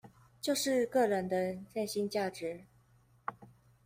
就是個人的內心價值